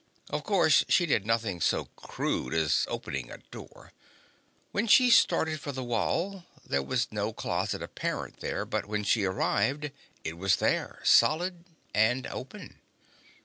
Of course, she did nothing so crude as opening a door. When she started for the wall there was no closet apparent there, but when she arrived it was there, solid, and open.